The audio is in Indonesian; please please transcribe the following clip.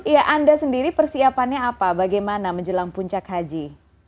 ya anda sendiri persiapannya apa bagaimana menjelang puncak haji